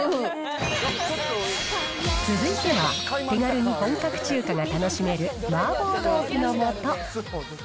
続いては、手軽に本格中華が楽しめる麻婆豆腐のもと。